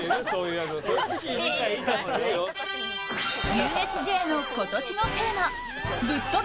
ＵＳＪの今年のテーマぶっとべ！